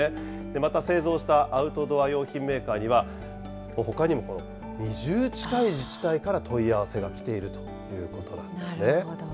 また、製造したアウトドア用品メーカーには、ほかにも２０近い自治体から問い合わせが来ているということなんですね。